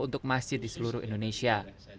untuk masjid di seluruh indonesia